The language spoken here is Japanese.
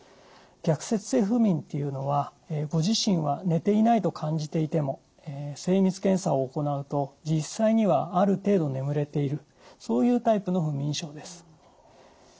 逆説性不眠というのはご自身は寝ていないと感じていても精密検査を行うと実際にはある程度眠れているそういうタイプの不眠症です。